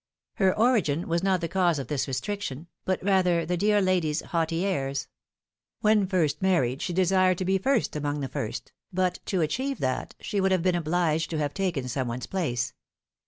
Her origin was not the cause of this restriction, but rather the dear lady^s haughty airs. When first married she desired to be first among the first, but to achieve that, she would have been obliged to have taken some one's place.